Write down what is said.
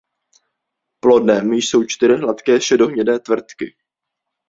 Plodem jsou čtyři hladké šedohnědé tvrdky.